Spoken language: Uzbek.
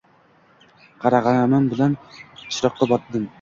Qora g‘amim bilan chiroqqa botdim.